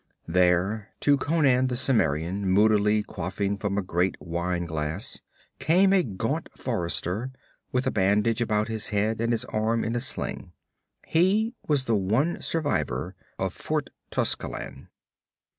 There, to Conan the Cimmerian, moodily quaffing from a great wine glass, came a gaunt forester with a bandage about his head and his arm in a sling. He was the one survivor of Fort Tuscelan.